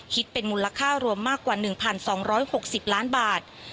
คิดเป็นมูลค่ารวมมากกว่า๑๒๖๐ล้านบาท